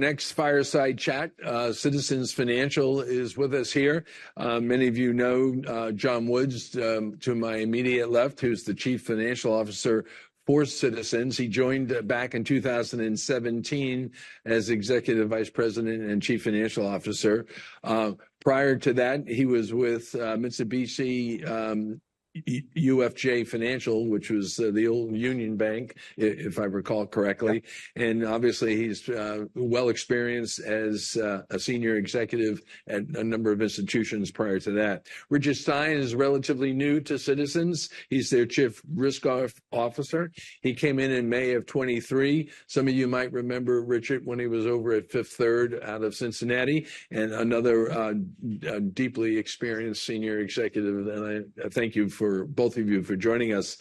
Next fireside chat, Citizens Financial is with us here. Many of you know, John Woods, to my immediate left, who's the Chief Financial Officer for Citizens. He joined, back in 2017 as Executive Vice President and Chief Financial Officer. Prior to that, he was with, Mitsubishi UFJ Financial, which was, the old Union Bank, if I recall correctly. And obviously, he's, well-experienced as, a senior executive at a number of institutions prior to that. Richard Stein is relatively new to Citizens. He's their Chief Risk Officer. He came in in May of 2023. Some of you might remember Richard when he was over at Fifth Third out of Cincinnati, and another, deeply experienced senior executive. And I, thank you for both of you for joining us.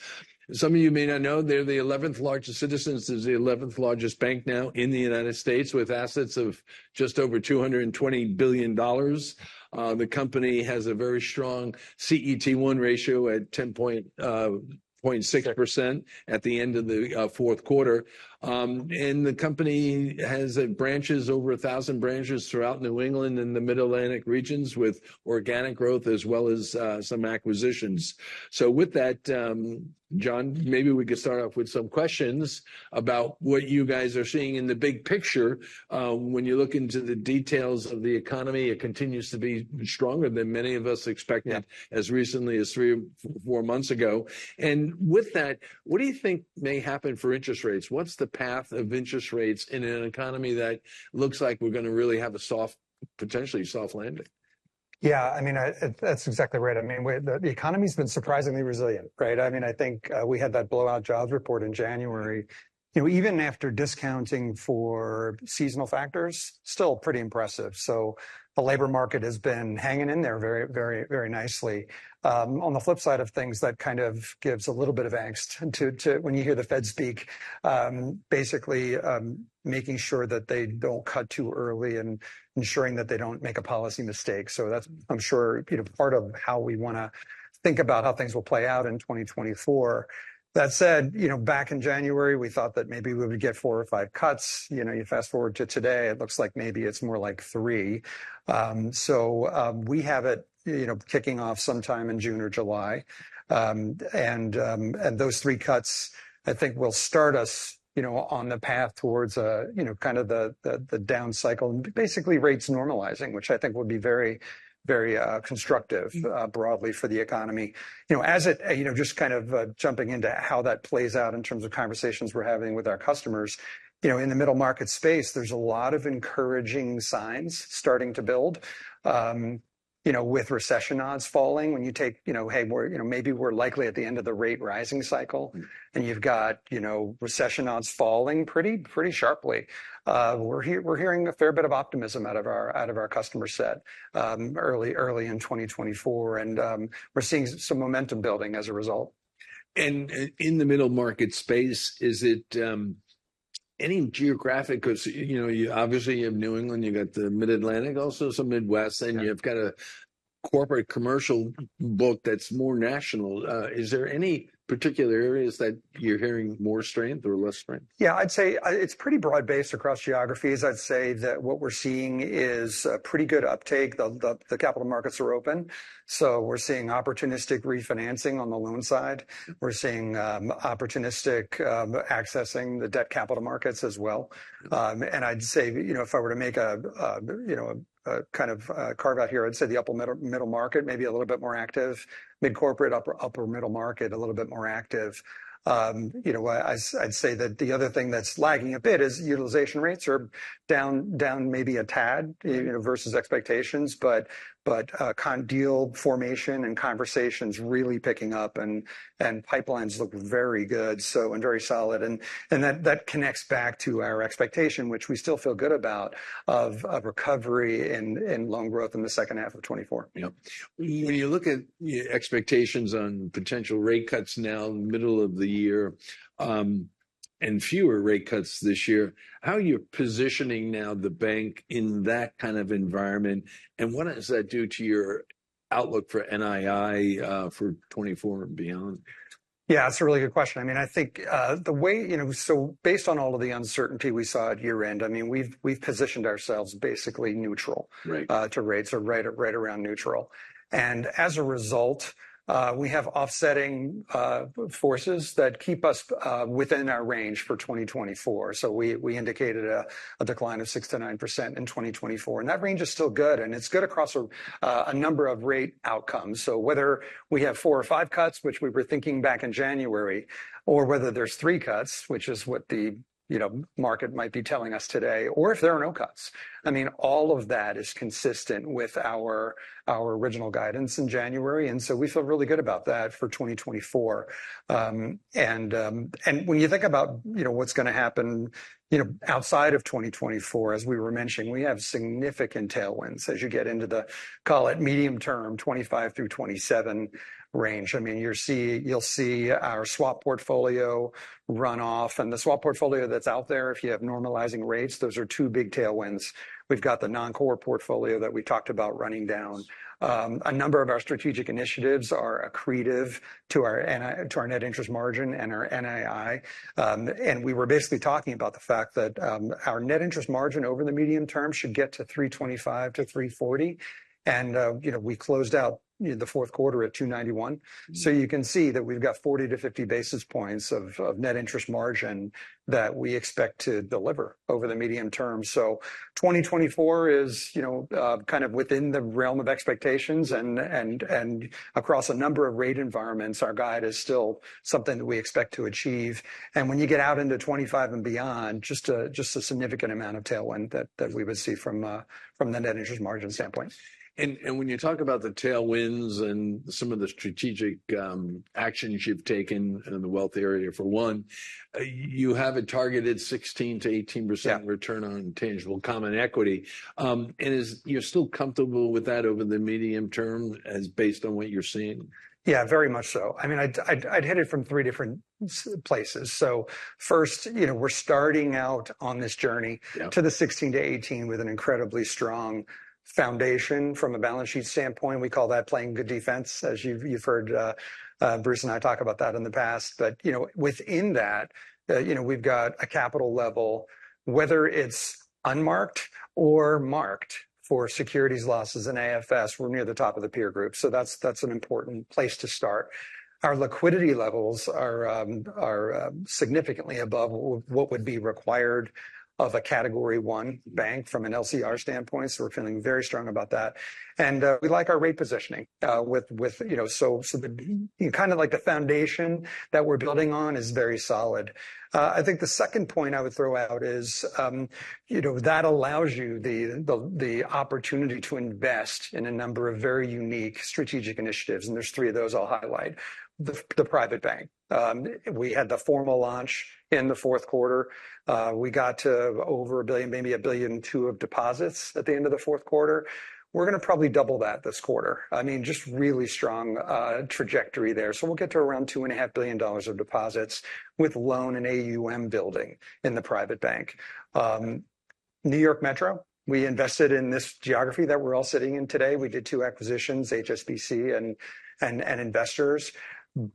Some of you may not know, they're the 11th largest Citizens. It's the 11th largest bank now in the United States, with assets of just over $220 billion. The company has a very strong CET1 ratio at 10.06% at the end of the fourth quarter. The company has branches, over 1,000 branches throughout New England and the Mid-Atlantic regions, with organic growth as well as some acquisitions. So with that, John, maybe we could start off with some questions about what you guys are seeing in the big picture. When you look into the details of the economy, it continues to be stronger than many of us expected as recently as three or four months ago. And with that, what do you think may happen for interest rates? What's the path of interest rates in an economy that looks like we're gonna really have a soft, potentially soft landing? Yeah, I mean, I, that's exactly right. I mean, the economy's been surprisingly resilient, right? I mean, I think, we had that blowout jobs report in January. You know, even after discounting for seasonal factors, still pretty impressive. So the labor market has been hanging in there very, very, very nicely. On the flip side of things, that kind of gives a little bit of angst to when you hear the Fed speak, basically, making sure that they don't cut too early and ensuring that they don't make a policy mistake. So that's, I'm sure, you know, part of how we wanna think about how things will play out in 2024. That said, you know, back in January, we thought that maybe we would get four or five cuts. You know, you fast forward to today, it looks like maybe it's more like three. So, we have it, you know, kicking off sometime in June or July. And those 3 cuts, I think, will start us, you know, on the path towards, you know, kind of the down cycle, basically rates normalizing, which I think would be very, very, constructive, broadly for the economy. You know, as it, you know, just kind of jumping into how that plays out in terms of conversations we're having with our customers, you know, in the middle market space, there's a lot of encouraging signs starting to build, you know, with recession odds falling. When you take, you know, hey, we're, you know, maybe we're likely at the end of the rate-rising cycle, and you've got, you know, recession odds falling pretty sharply, we're hearing a fair bit of optimism out of our customer set, early in 2024. We're seeing some momentum building as a result. In the middle market space, is it any geographic, because, you know, you obviously have New England, you've got the Mid-Atlantic also, some Midwest, and you've got a corporate commercial book that's more national. Is there any particular areas that you're hearing more strength or less strength? Yeah, I'd say it's pretty broad-based across geographies. I'd say that what we're seeing is a pretty good uptake. The capital markets are open. So we're seeing opportunistic refinancing on the loan side. We're seeing opportunistic accessing the debt capital markets as well. And I'd say, you know, if I were to make a, you know, a kind of carve-out here, I'd say the upper middle market maybe a little bit more active, mid-corporate upper middle market a little bit more active. You know, I'd say that the other thing that's lagging a bit is utilization rates are down maybe a tad, you know, versus expectations. But M&A deal formation and conversations really picking up, and pipelines look very good, so and very solid. And that connects back to our expectation, which we still feel good about, of recovery in loan growth in the second half of 2024. Yep. When you look at, you know, expectations on potential rate cuts now in the middle of the year, and fewer rate cuts this year, how are you positioning now the bank in that kind of environment? And what does that do to your outlook for NII, for 2024 and beyond? Yeah, that's a really good question. I mean, I think, the way, you know, so based on all of the uncertainty we saw at year-end, I mean, we've, we've positioned ourselves basically neutral, to rates, or right, right around neutral. And as a result, we have offsetting, forces that keep us, within our range for 2024. So we, we indicated a, a decline of 6%-9% in 2024. And that range is still good. And it's good across a, a number of rate outcomes. So whether we have four or five cuts, which we were thinking back in January, or whether there's three cuts, which is what the, you know, market might be telling us today, or if there are no cuts, I mean, all of that is consistent with our, our original guidance in January. And so we feel really good about that for 2024. and when you think about, you know, what's gonna happen, you know, outside of 2024, as we were mentioning, we have significant tailwinds as you get into the, call it, medium-term 2025 through 2027 range. I mean, you'll see our swap portfolio run off. And the swap portfolio that's out there, if you have normalizing rates, those are two big tailwinds. We've got the non-core portfolio that we talked about running down. A number of our strategic initiatives are accretive to our NI to our net interest margin and our NII. And we were basically talking about the fact that, our net interest margin over the medium term should get to 325-340. And, you know, we closed out, you know, the fourth quarter at 291. So you can see that we've got 40-50 basis points of net interest margin that we expect to deliver over the medium term. So 2024 is, you know, kind of within the realm of expectations. And across a number of rate environments, our guide is still something that we expect to achieve. And when you get out into 2025 and beyond, just a significant amount of tailwind that we would see from the net interest margin standpoint. And when you talk about the tailwinds and some of the strategic actions you've taken in the wealth area, for one, you have a targeted 16%-18% return on tangible common equity. And are you still comfortable with that over the medium term based on what you're seeing? Yeah, very much so. I mean, I'd hit it from three different places. So first, you know, we're starting out on this journey to the 16-18 with an incredibly strong foundation from a balance sheet standpoint. We call that playing good defense, as you've heard, Bruce and I talk about that in the past. But, you know, within that, you know, we've got a capital level, whether it's unmarked or marked for securities losses and AFS, we're near the top of the peer group. So that's an important place to start. Our liquidity levels are significantly above what would be required of a Category I bank from an LCR standpoint. So we're feeling very strong about that. We like our rate positioning, with, you know, so the, you know, kind of like the foundation that we're building on is very solid. I think the second point I would throw out is, you know, that allows you the opportunity to invest in a number of very unique strategic initiatives. And there's three of those I'll highlight. The private bank. We had the formal launch in the fourth quarter. We got to over $1 billion, maybe $1.2 billion of deposits at the end of the fourth quarter. We're gonna probably double that this quarter. I mean, just really strong trajectory there. So we'll get to around $2.5 billion of deposits with loan and AUM building in the private bank. New York Metro, we invested in this geography that we're all sitting in today. We did two acquisitions, HSBC and Investors.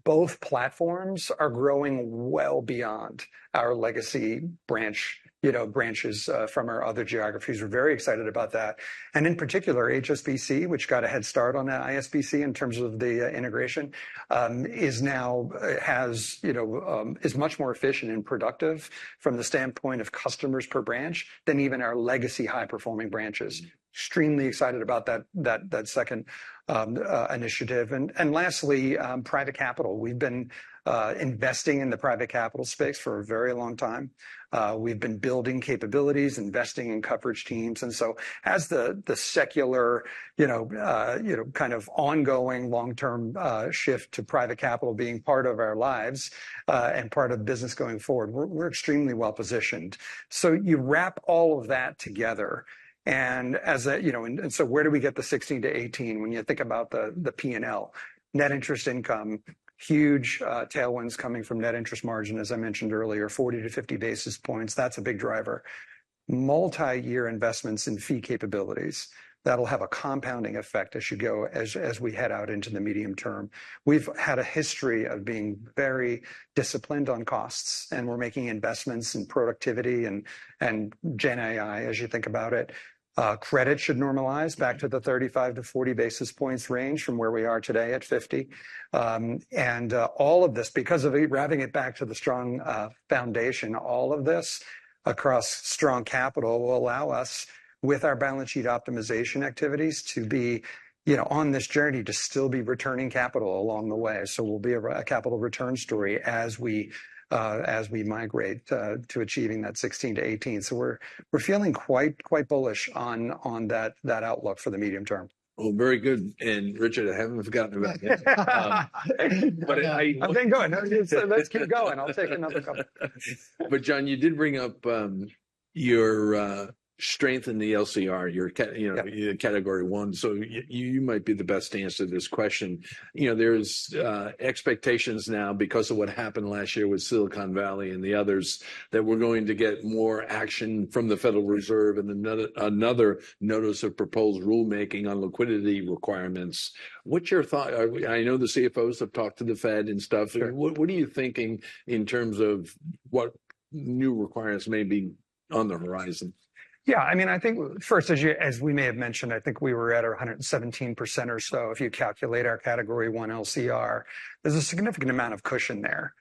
Both platforms are growing well beyond our legacy branch, you know, branches, from our other geographies. We're very excited about that. And in particular, HSBC, which got a head start on that HSBC in terms of the integration, is now has, you know, is much more efficient and productive from the standpoint of customers per branch than even our legacy high-performing branches. Extremely excited about that second initiative. And lastly, private capital. We've been investing in the private capital space for a very long time. We've been building capabilities, investing in coverage teams. And so as the secular, you know, kind of ongoing long-term shift to private capital being part of our lives and part of business going forward, we're extremely well-positioned. So you wrap all of that together. As you know, where do we get the 16-18 when you think about the P&L? Net interest income, huge tailwinds coming from net interest margin, as I mentioned earlier, 40-50 basis points. That's a big driver. Multi-year investments in fee capabilities. That'll have a compounding effect as you go as we head out into the medium term. We've had a history of being very disciplined on costs, and we're making investments in productivity and GenAI, as you think about it. Credit should normalize back to the 35-40 basis points range from where we are today at 50. All of this, because of it wrapping it back to the strong foundation, all of this across strong capital will allow us, with our balance sheet optimization activities, to be, you know, on this journey to still be returning capital along the way. So we'll be a capital return story as we, as we migrate, to achieving that 16-18. So we're, we're feeling quite, quite bullish on, on that, that outlook for the medium term. Well, very good. And, Richard, I haven't forgotten about you. But I. I'm getting going. Let's keep going. I'll take another couple. But, John, you did bring up your strength in the LCR, you know, Category I. So you might be the best to answer this question. You know, there's expectations now because of what happened last year with Silicon Valley and the others that we're going to get more action from the Federal Reserve and another notice of proposed rulemaking on liquidity requirements. What's your thought? I know the CFOs have talked to the Fed and stuff. So what are you thinking in terms of what new requirements may be on the horizon? Yeah, I mean, I think first, as we may have mentioned, I think we were at our 117% or so, if you calculate our Category I LCR. There's a significant amount of cushion there,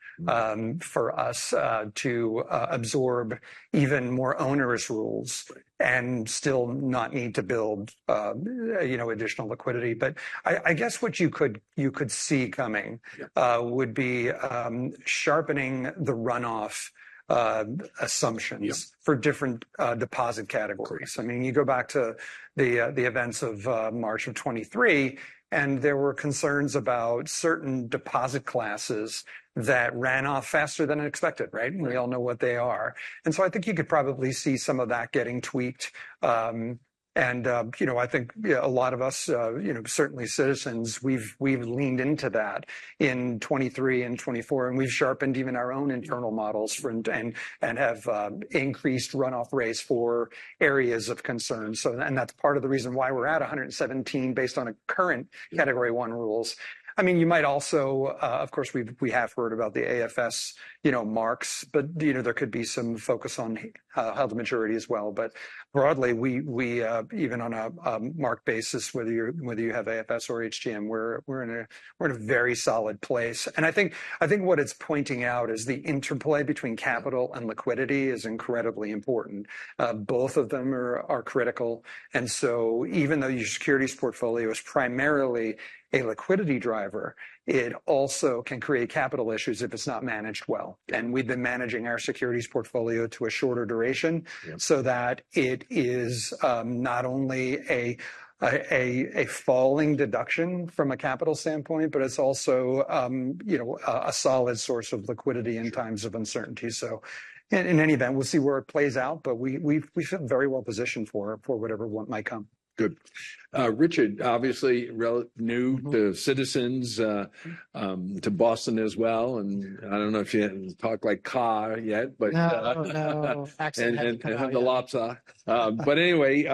for us, to absorb even more onerous rules and still not need to build, you know, additional liquidity. But I guess what you could see coming would be sharpening the runoff assumptions for different deposit categories. I mean, you go back to the events of March of 2023, and there were concerns about certain deposit classes that ran off faster than expected, right? And we all know what they are. And so I think you could probably see some of that getting tweaked. And, you know, I think, yeah, a lot of us, you know, certainly Citizens, we've leaned into that in 2023 and 2024. And we've sharpened even our own internal models for, and have increased runoff rates for areas of concern. So that's part of the reason why we're at 117 based on current Category I rules. I mean, you might also, of course, we've heard about the AFS, you know, marks. But, you know, there could be some focus on held to maturity as well. But broadly, we even on a marked basis, whether you have AFS or HTM, we're in a very solid place. And I think what it's pointing out is the interplay between capital and liquidity is incredibly important. Both of them are critical. And so even though your securities portfolio is primarily a liquidity driver, it also can create capital issues if it's not managed well. We've been managing our securities portfolio to a shorter duration so that it is not only a falling deduction from a capital standpoint, but it's also, you know, a solid source of liquidity in times of uncertainty. So in any event, we'll see where it plays out. But we feel very well-positioned for whatever might come. Good. Richard, obviously relatively new to Citizens, to Boston as well. And I don't know if you hadn't talked like Kai yet, but. No, no. Accent hadn't come out. But anyway,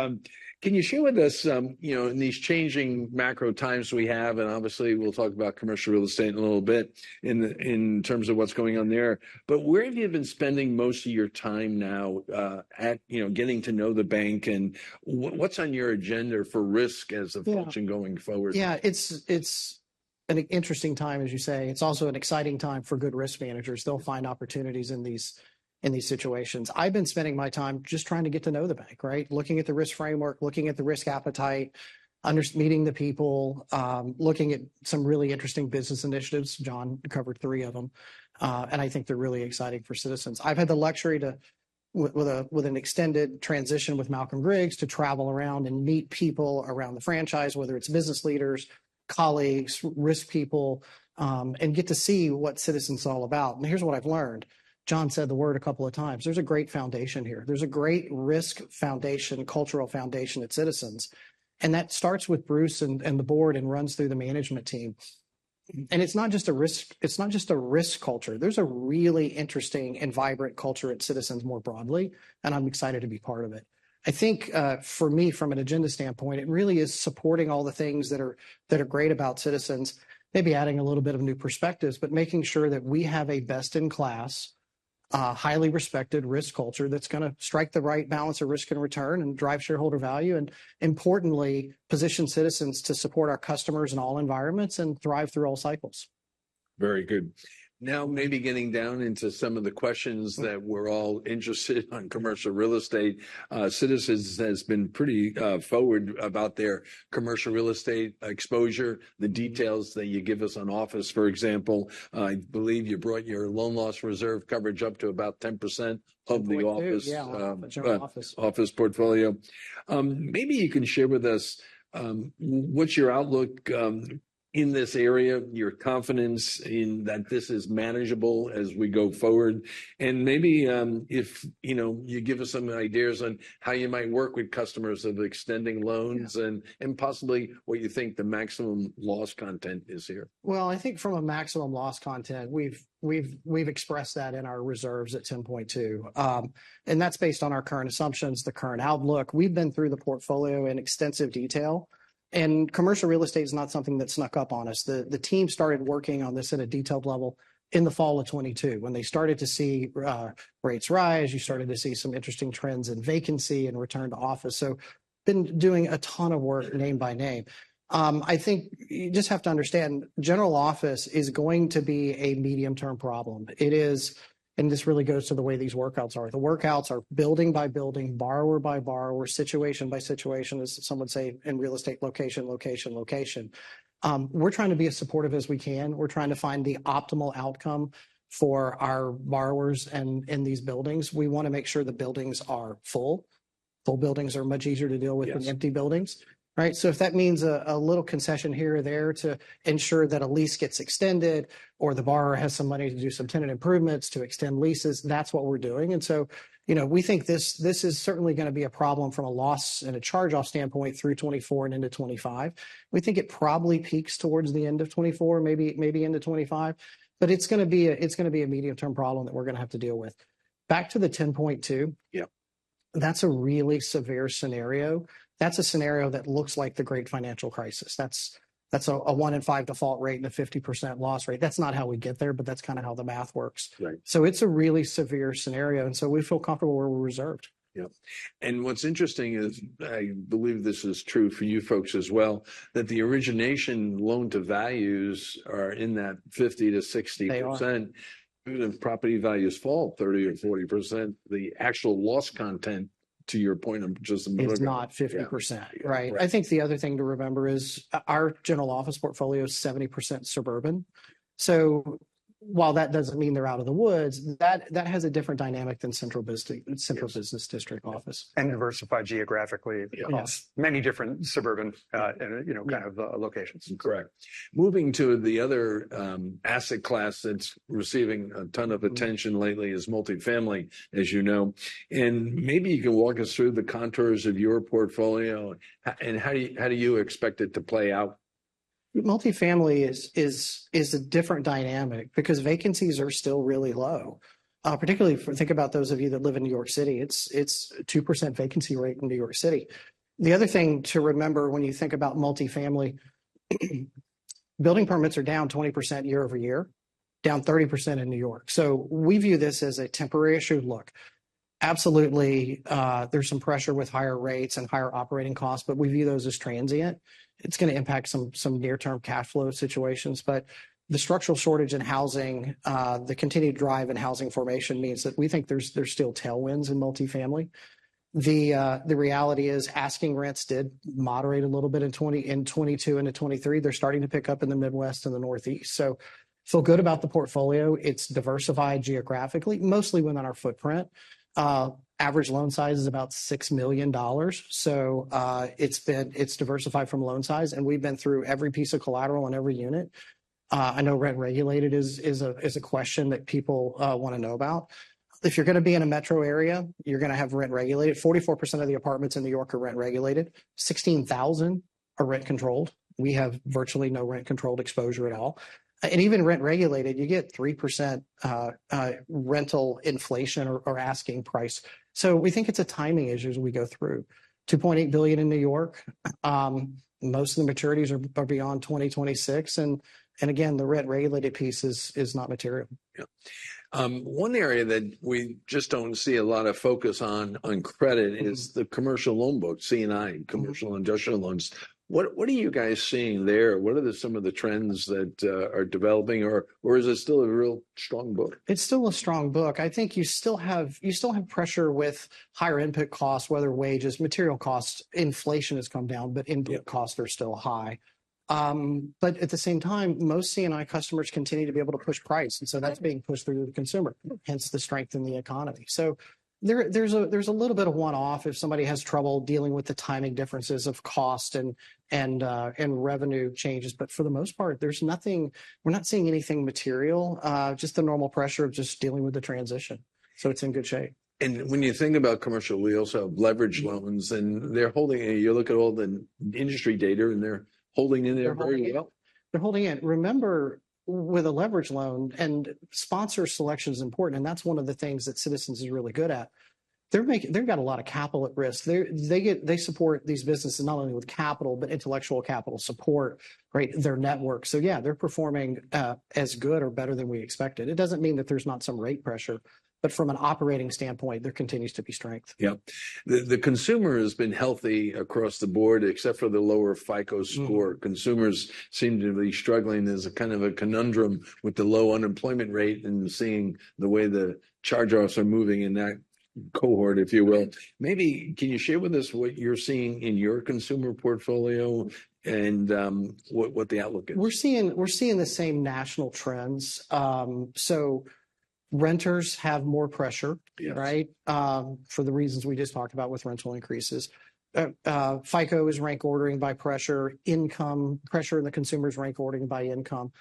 can you share with us, you know, in these changing macro times we have and obviously we'll talk about commercial real estate in a little bit in terms of what's going on there? But where have you been spending most of your time now at, you know, getting to know the bank? And what's on your agenda for risk as a function going forward? Yeah, it's an interesting time, as you say. It's also an exciting time for good risk managers. They'll find opportunities in these situations. I've been spending my time just trying to get to know the bank, right? Looking at the risk framework, looking at the risk appetite, and meeting the people, looking at some really interesting business initiatives. John covered three of them, and I think they're really exciting for Citizens. I've had the luxury, with an extended transition with Malcolm Griggs, to travel around and meet people around the franchise, whether it's business leaders, colleagues, risk people, and get to see what Citizens are all about. And here's what I've learned. John said the word a couple of times. There's a great foundation here. There's a great risk foundation, cultural foundation at Citizens. That starts with Bruce and the board and runs through the management team. And it's not just a risk culture. There's a really interesting and vibrant culture at Citizens more broadly. And I'm excited to be part of it. I think, for me, from an agenda standpoint, it really is supporting all the things that are great about Citizens, maybe adding a little bit of new perspectives, but making sure that we have a best-in-class, highly respected risk culture that's going to strike the right balance of risk and return and drive shareholder value and, importantly, position Citizens to support our customers in all environments and thrive through all cycles. Very good. Now maybe getting down into some of the questions that we're all interested in on Commercial Real Estate. Citizens has been pretty forward about their Commercial Real Estate exposure, the details that you give us on office, for example. I believe you brought your loan loss reserve coverage up to about 10% of the office. Yeah, the general office. Office portfolio. Maybe you can share with us what's your outlook in this area, your confidence in that this is manageable as we go forward? And maybe, if, you know, you give us some ideas on how you might work with customers of extending loans and possibly what you think the maximum loss content is here? Well, I think from a maximum loss content, we've expressed that in our reserves at 10.2, and that's based on our current assumptions, the current outlook. We've been through the portfolio in extensive detail. And Commercial Real Estate is not something that snuck up on us. The team started working on this at a detailed level in the fall of 2022 when they started to see rates rise. You started to see some interesting trends in vacancy and return to office. So been doing a ton of work name by name. I think you just have to understand general office is going to be a medium-term problem. It is and this really goes to the way these workouts are. The workouts are building-by-building, borrower by borrower, situation-by-situation, as some would say, in real estate, location, location, location. We're trying to be as supportive as we can. We're trying to find the optimal outcome for our borrowers in these buildings. We want to make sure the buildings are full. Full buildings are much easier to deal with than empty buildings, right? So if that means a little concession here or there to ensure that a lease gets extended or the borrower has some money to do some tenant improvements to extend leases, that's what we're doing. And so, you know, we think this is certainly going to be a problem from a loss and a charge-off standpoint through 2024 and into 2025. We think it probably peaks towards the end of 2024, maybe into 2025. But it's going to be a medium-term problem that we're going to have to deal with. Back to the 10.2. Yep. That's a really severe scenario. That's a scenario that looks like the Great Financial Crisis. That's a 1 in 5 default rate and a 50% loss rate. That's not how we get there, but that's kind of how the math works. Right. It's a really severe scenario. We feel comfortable where we're reserved. Yep. What's interesting is, I believe this is true for you folks as well, that the origination loan-to-values are in that 50%-60%. They are. Even if property values fall 30% or 40%, the actual loss content, to your point, I'm just a minute ago. It's not 50%, right? I think the other thing to remember is our general office portfolio is 70% suburban. So while that doesn't mean they're out of the woods, that has a different dynamic than central business district office. Diversified geographically. Yes. Many different suburban and, you know, kind of locations. Correct. Moving to the other asset class that's receiving a ton of attention lately is multifamily, as you know. Maybe you can walk us through the contours of your portfolio and how do you expect it to play out? Multifamily is a different dynamic because vacancies are still really low, particularly, think about those of you that live in New York City. It's a 2% vacancy rate in New York City. The other thing to remember when you think about multifamily, building permits are down 20% year-over-year, down 30% in New York. So we view this as a temporary issue. Look. Absolutely, there's some pressure with higher rates and higher operating costs, but we view those as transient. It's going to impact some near-term cash flow situations. But the structural shortage in housing, the continued drive in housing formation means that we think there's still tailwinds in multifamily. The reality is asking rents did moderate a little bit in 2020, in 2022 into 2023. They're starting to pick up in the Midwest and the Northeast. So feel good about the portfolio. It's diversified geographically, mostly within our footprint. Average loan size is about $6 million. So, it's been it's diversified from loan size. And we've been through every piece of collateral in every unit. I know rent regulated is a question that people want to know about. If you're going to be in a metro area, you're going to have rent regulated. 44% of the apartments in New York are rent regulated. 16,000 are rent controlled. We have virtually no rent-controlled exposure at all. And even rent regulated, you get 3% rental inflation or asking price. So we think it's a timing issue as we go through. $2.8 billion in New York. Most of the maturities are beyond 2026. And again, the rent-regulated piece is not material. Yep. One area that we just don't see a lot of focus on, on credit is the commercial loan book, C&I, commercial and industrial loans. What, what are you guys seeing there? What are some of the trends that, are developing? Or, or is it still a real strong book? It's still a strong book. I think you still have pressure with higher input costs, whether wages, material costs. Inflation has come down, but input costs are still high. But at the same time, most C&I customers continue to be able to push price. And so that's being pushed through to the consumer, hence the strength in the economy. So there, there's a little bit of one-off if somebody has trouble dealing with the timing differences of cost and revenue changes. But for the most part, there's nothing we're not seeing anything material, just the normal pressure of just dealing with the transition. So it's in good shape. When you think about commercial real estate leveraged loans and they're holding up. If you look at all the industry data and they're holding up there very well? Yeah. They're holding in. Remember, with a leveraged loan and sponsor selection is important. And that's one of the things that Citizens is really good at. They've got a lot of capital at risk. They support these businesses not only with capital, but intellectual capital support, right, their network. So, yeah, they're performing as good or better than we expected. It doesn't mean that there's not some rate pressure. But from an operating standpoint, there continues to be strength. Yep. The consumer has been healthy across the board, except for the lower FICO score. Consumers seem to be struggling as a kind of a conundrum with the low unemployment rate and seeing the way the charge-offs are moving in that cohort, if you will. Maybe can you share with us what you're seeing in your consumer portfolio and what the outlook is? We're seeing the same national trends. So renters have more pressure, right, for the reasons we just talked about with rental increases. FICO is rank ordering by pressure, income pressure in the consumer is rank ordering by income.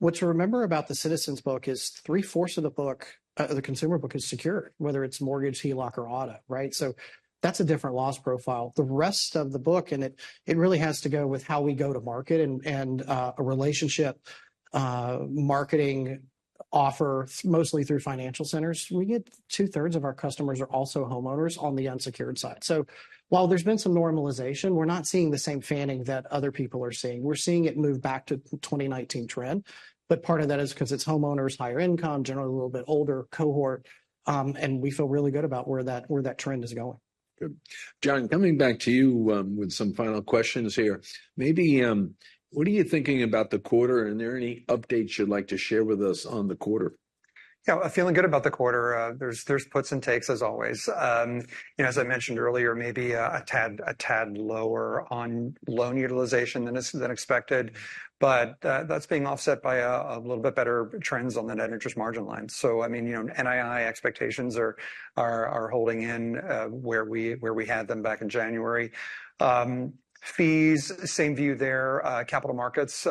What to remember about the Citizens book is three-fourths of the book the consumer book is secure, whether it's mortgage, HELOC, or Auto, right? So that's a different loss profile. The rest of the book and it really has to go with how we go to market and a relationship marketing offer mostly through financial centers. We get two-thirds of our customers are also homeowners on the unsecured side. So while there's been some normalization, we're not seeing the same fanning that other people are seeing. We're seeing it move back to 2019 trend. But part of that is because it's homeowners, higher income, generally a little bit older cohort. And we feel really good about where that trend is going. Good. John, coming back to you, with some final questions here. Maybe, what are you thinking about the quarter? And are there any updates you'd like to share with us on the quarter? Yeah, feeling good about the quarter. There are puts and takes, as always. You know, as I mentioned earlier, maybe a tad lower on loan utilization than expected. But that's being offset by a little bit better trends on the net interest margin line. So, I mean, you know, NII expectations are holding in where we had them back in January. Fees, same view there. Capital Markets,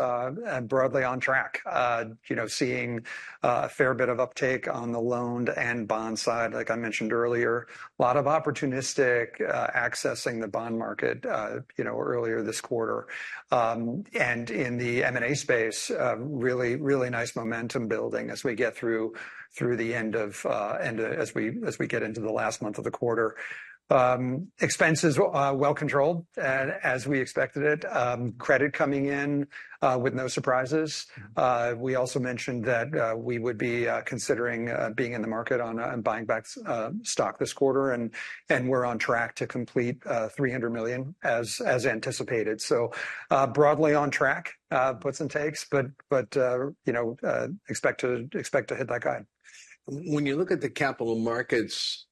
broadly on track, you know, seeing a fair bit of uptake on the loan and bond side, like I mentioned earlier. A lot of opportunistic accessing the bond market, you know, earlier this quarter. And in the M&A space, really nice momentum building as we get into the last month of the quarter. Expenses, well controlled as we expected it. Credit coming in with no surprises. We also mentioned that we would be considering being in the market on buying back stock this quarter. And we're on track to complete $300 million as anticipated. So, broadly on track, puts and takes. But you know, expect to hit that guide. When you look at the capital markets,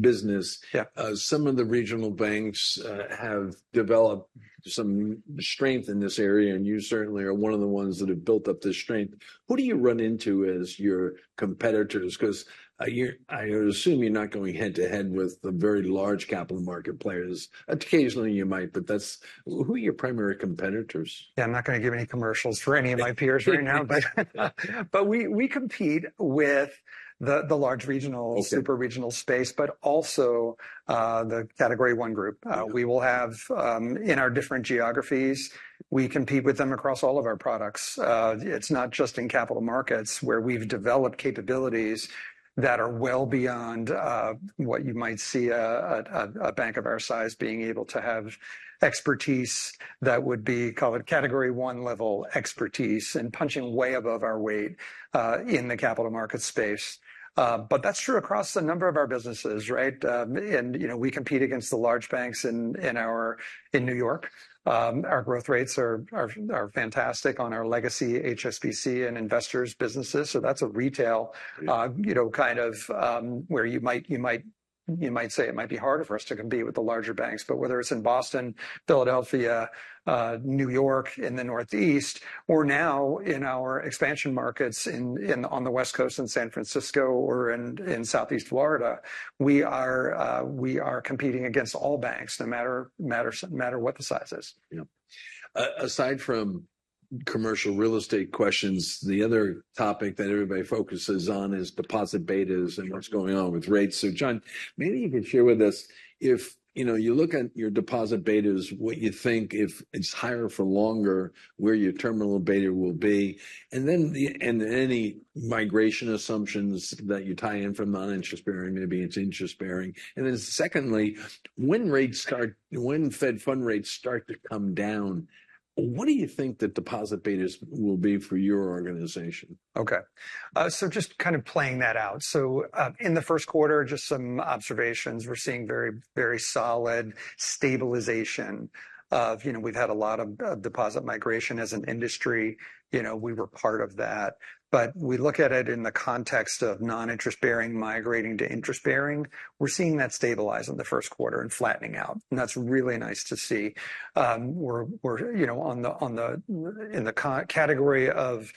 business. Yep. Some of the regional banks have developed some strength in this area. You certainly are one of the ones that have built up this strength. Who do you run into as your competitors? Because I assume you're not going head-to-head with the very large capital market players. Occasionally, you might. But that's who are your primary competitors? Yeah, I'm not going to give any commercials for any of my peers right now. But we compete with the large regional super regional space, but also the Category I group. In our different geographies, we compete with them across all of our products. It's not just in capital markets where we've developed capabilities that are well beyond what you might see a bank of our size being able to have expertise that would be call it Category I level expertise and punching way above our weight in the capital market space. But that's true across a number of our businesses, right? And you know, we compete against the large banks in our New York. Our growth rates are fantastic on our legacy HSBC and Investors businesses. So that's a retail, you know, kind of, where you might say it might be harder for us to compete with the larger banks. But whether it's in Boston, Philadelphia, New York, in the Northeast, or now in our expansion markets in on the West Coast in San Francisco or in Southeast Florida, we are competing against all banks, no matter what the size is. Yep. Aside from commercial real estate questions, the other topic that everybody focuses on is deposit betas and what's going on with rates. So, John, maybe you could share with us if, you know, you look at your deposit betas, what you think if it's higher for longer, where your terminal beta will be. And then any migration assumptions that you tie in from non-interest bearing, maybe to interest bearing. And then secondly, when Fed fund rates start to come down, what do you think that deposit betas will be for your organization? Okay. So just kind of playing that out. In the first quarter, just some observations. We're seeing very, very solid stabilization of you know, we've had a lot of deposit migration as an industry. You know, we were part of that. But we look at it in the context of non-interest-bearing migrating to interest-bearing, we're seeing that stabilize in the first quarter and flattening out. And that's really nice to see. We're you know, on the in the category of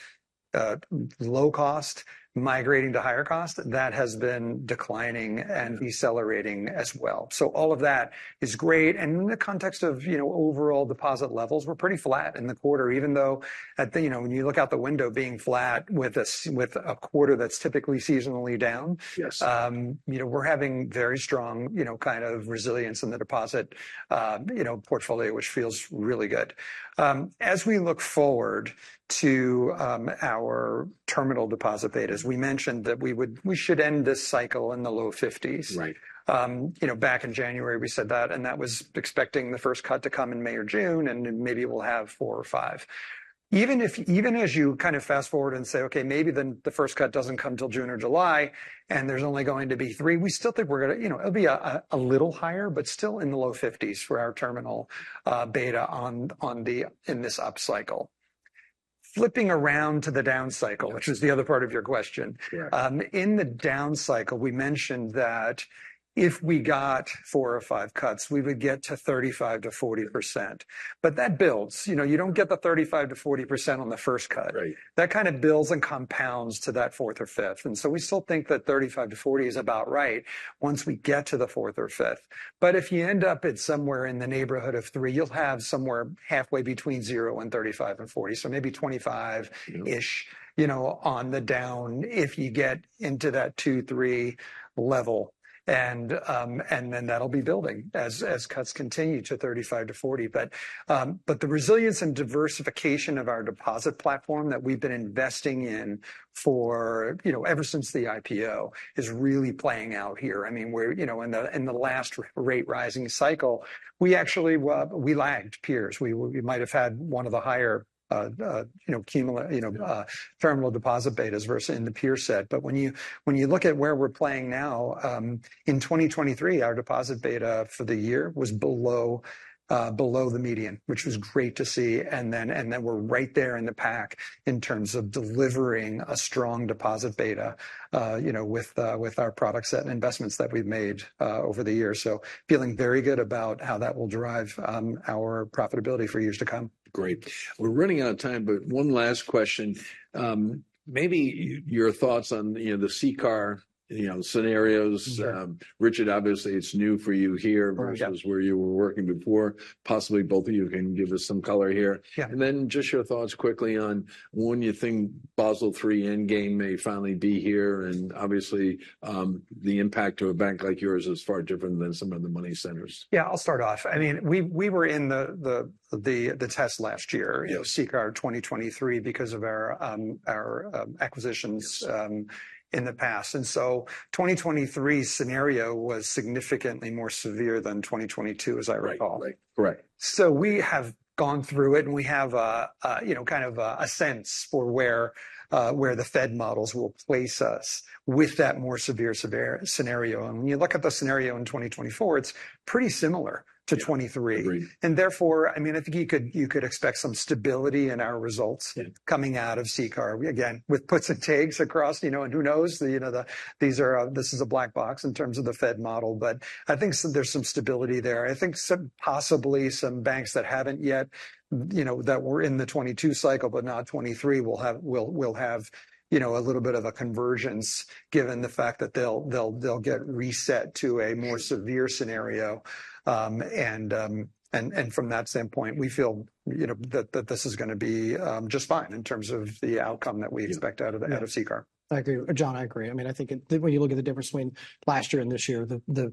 low-cost migrating to higher-cost, that has been declining and decelerating as well. So all of that is great. And in the context of, you know, overall deposit levels, we're pretty flat in the quarter, even though, you know, when you look out the window being flat with a quarter that's typically seasonally down. Yes. You know, we're having very strong, you know, kind of resilience in the deposit, you know, portfolio, which feels really good. As we look forward to our terminal deposit betas, we mentioned that we would we should end this cycle in the low 50s. Right. You know, back in January, we said that. That was expecting the first cut to come in May or June. Maybe we'll have four or five. Even if even as you kind of fast-forward and say, "OK, maybe the first cut doesn't come until June or July, and there's only going to be three," we still think we're going to you know, it'll be a little higher, but still in the low 50s for our terminal beta on, on the in this upcycle. Flipping around to the downcycle, which is the other part of your question. Yeah. In the downcycle, we mentioned that if we got 4 or 5 cuts, we would get to 35%-40%. But that builds. You know, you don't get the 35%-40% on the first cut. Right. That kind of builds and compounds to that fourth or fifth. And so we still think that 35%-40% is about right once we get to the fourth or fifth. But if you end up at somewhere in the neighborhood of 3, you'll have somewhere halfway between 0 and 35% and 40%. So maybe 25%-ish, you know, on the down if you get into that two, three level. And then that'll be building as cuts continue to 35%-40%. But the resilience and diversification of our deposit platform that we've been investing in for, you know, ever since the IPO is really playing out here. I mean, we're, you know, in the last rate-rising cycle, we actually, well, we lagged peers. We might have had one of the higher, you know, cumulative, you know, terminal deposit betas versus in the peer set. But when you look at where we're playing now, in 2023, our deposit beta for the year was below the median, which was great to see. And then we're right there in the pack in terms of delivering a strong deposit beta, you know, with our product set and investments that we've made over the year. So feeling very good about how that will drive our profitability for years to come. Great. We're running out of time. But one last question. Maybe your thoughts on, you know, the CCAR, you know, scenarios. Richard, obviously, it's new for you here versus where you were working before. Possibly both of you can give us some color here. Yeah. Then just your thoughts quickly on when you think Basel III Endgame may finally be here. Obviously, the impact to a bank like yours is far different than some of the money centers. Yeah, I'll start off. I mean, we were in the test last year, you know, CCAR 2023, because of our acquisitions in the past. And so 2023 scenario was significantly more severe than 2022, as I recall. Right, right, correct. So we have gone through it. And we have a, you know, kind of a sense for where the Fed Models will place us with that more severe scenario. And when you look at the scenario in 2024, it's pretty similar to 2023. Agreed. Therefore, I mean, I think you could expect some stability in our results coming out of CCAR, again, with puts and takes across, you know, and who knows? You know, these are; this is a black box in terms of the Fed Model. But I think there's some stability there. I think some possibly some banks that haven't yet, you know, that were in the 2022 cycle but not 2023 will have, you know, a little bit of a convergence, given the fact that they'll get reset to a more severe scenario, and from that standpoint, we feel, you know, that this is going to be just fine in terms of the outcome that we expect out of CCAR. Yeah. I agree, John. I agree. I mean, I think it when you look at the difference between last year and this year, the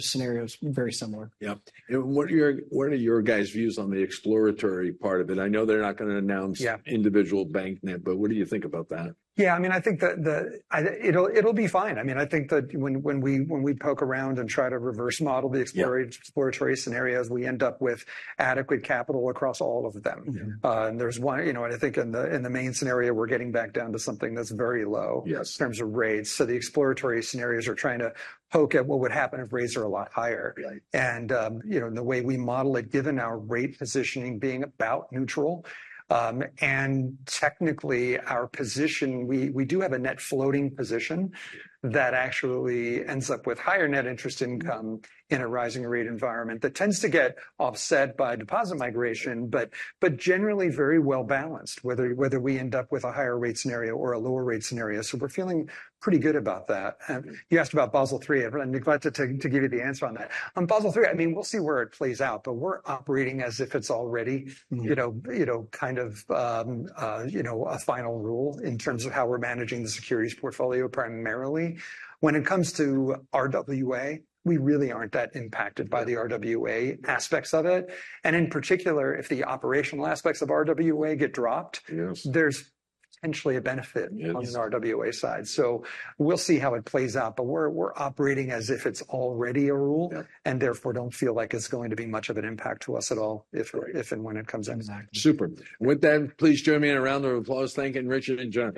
scenario is very similar. Yep. And what are your guys' views on the exploratory part of it? I know they're not going to announce individual bank net. But what do you think about that? Yeah, I mean, I think it'll be fine. I mean, I think that when we poke around and try to reverse-model the exploratory scenarios, we end up with adequate capital across all of them. And there's one, you know, and I think in the main scenario, we're getting back down to something that's very low. Yes. In terms of rates. The exploratory scenarios are trying to poke at what would happen if rates are a lot higher. Right. You know, the way we model it, given our rate positioning being about neutral, and technically our position we do have a net floating position that actually ends up with higher net interest income in a rising-rate environment that tends to get offset by deposit migration, but generally very well balanced, whether we end up with a higher-rate scenario or a lower-rate scenario. So we're feeling pretty good about that. You asked about Basel III. I'd be glad to give you the answer on that. On Basel III, I mean, we'll see where it plays out. But we're operating as if it's already, you know, kind of a final rule in terms of how we're managing the securities portfolio primarily. When it comes to RWA, we really aren't that impacted by the RWA aspects of it. In particular, if the operational aspects of RWA get dropped. Yes. There's potentially a benefit on the RWA side. So we'll see how it plays out. But we're operating as if it's already a rule and therefore don't feel like it's going to be much of an impact to us at all if and when it comes in. Exactly. Super. With that, please join me in a round of applause, thanking Richard and John.